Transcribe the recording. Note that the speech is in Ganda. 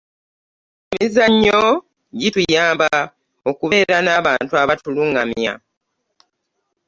emizannyo gituyamba okubeera n'abantu abatulungamya